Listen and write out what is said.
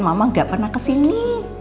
mama nggak pernah ke sini